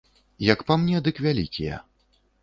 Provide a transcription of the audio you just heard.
Як па мне, дык вялікія.